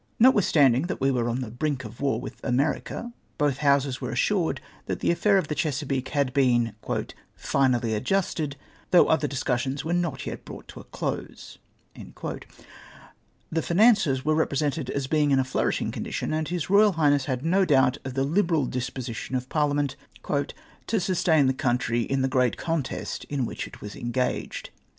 Notwitlistanding that we were on tlie brink of war with America, both Houses were assured that the affair of the Chesapeake had been " finally adjusted, though other discussions were not yet brouglit to a close." The finances were represented as being in a flourishing condition, and His Eoyal Highness had no doubt of the liberal disposition of Parliament " to sustain the country in the great contest in whicli it was engaged."